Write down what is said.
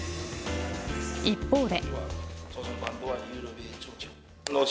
一方で。